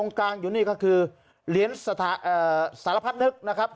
กลางอยู่นี่ก็คือเหรียญสารพัดนึกนะครับ